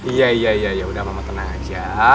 iya iya ya udah mama tenang aja